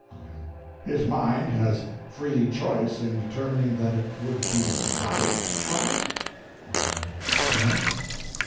O.M. His mind has Free Choice in determining that it would be _right _to try it? Y.M. Yes.